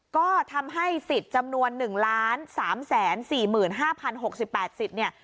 ก็ทำให้สิทธิ์จำนวน๑๓๔๕๐๖๘สิทธิ์เนี่ย